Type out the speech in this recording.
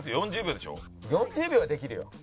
４０秒はできるよ。